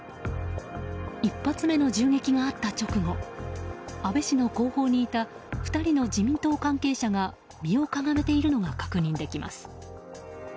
１発目の銃撃があった直後安倍氏の後方にいた２人の自民党関係者が身をかがめているのが確認できます。